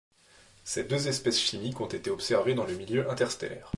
Ces deux espèces chimiques ont été observées dans le milieu interstellaire.